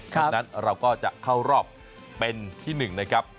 เพราะฉะนั้นเราก็จะเข้ารอบเป็นที่๑นะครับ